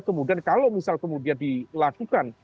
kemudian kalau misal kemudian dilakukan